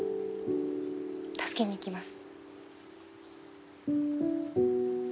助けにいきます。